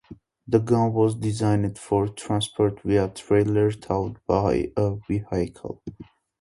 The gun was designed for transport via a trailer towed by a vehicle.